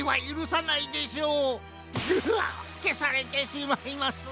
ううっけされてしまいます。